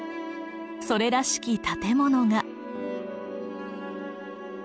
それらしき建物が。